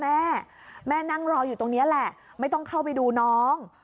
แม่แม่นั่งรออยู่ตรงนี้แหละไม่ต้องเข้าไปดูน้อง